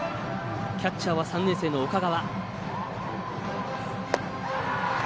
キャッチャーは３年生の岡川。